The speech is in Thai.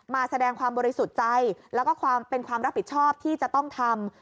มาแสดงความบริสุทธิ์ใจแล้วก็ความเป็นความรับผิดชอบที่จะต้องทำ